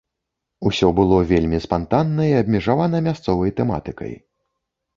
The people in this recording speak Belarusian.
Усё было вельмі спантанна і абмежавана мясцовай тэматыкай.